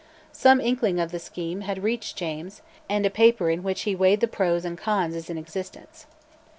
Some inkling of the scheme had reached James, and a paper in which he weighed the pros and cons is in existence.